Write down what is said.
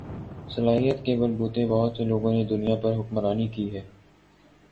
صلاحیت کے بل بوتے بہت سے لوگوں نے دنیا پر حکمرانی کی ہے